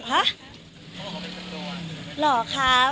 เพราะเขาเป็นตำรวจ